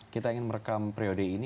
kita ingin merekam periode ini